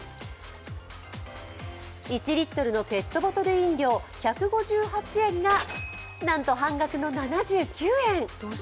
１リットルのペットボトル飲料１５８円がなんと半額の７９円。